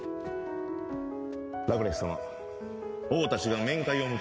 ラクレス様王たちが面会を求めております。